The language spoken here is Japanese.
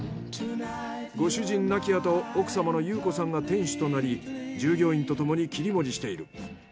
ご主人亡きあと奥様の勇子さんが店主となり従業員とともに切り盛りしている。